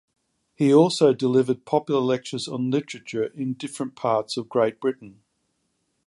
He also delivered popular lectures on literature in different parts of Great Britain.